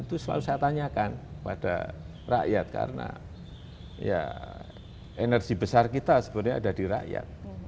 itu selalu saya tanyakan pada rakyat karena energi besar kita sebenarnya ada di rakyat